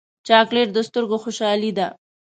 چاکلېټ د سترګو خوشحالي ده.